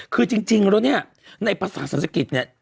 คือจริงแล้วเนี่ยในภาษาศักดิ์ศักดิ์เนี่ย